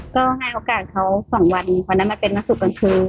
ก็ให้โอกาสเขาสองวันวันนั้นมาเป็นวันศุกร์กลางคืน